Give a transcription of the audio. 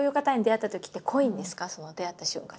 出会った瞬間